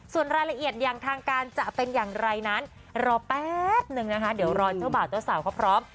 ส่วนรายละเอียดอย่างทางการจะเป็นอย่างไรนั้นรอแป๊บนึงนะคะเดี๋ยวรอเจ้าบ่าวเจ้าสาวเขาพร้อม